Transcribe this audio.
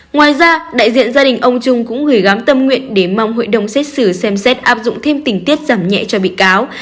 ngoài ra đại diện gia đình ông trung cũng gửi gắm tâm nguyện để mong hội đồng xét xử xem xét áp dụng thêm tình tiết giảm nhẹ cho bị cáo